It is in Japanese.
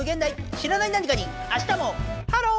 知らない何かにあしたもハロー！